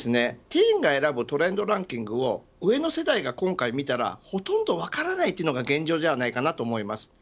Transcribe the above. ティーンが選ぶトレンドランキングを上の世代が今回見たらほとんど分からないというのが現状ではないかと思います。